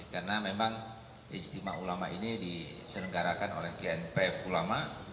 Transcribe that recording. karena memang ijt mahulama ini diselenggarakan oleh gnpf ulama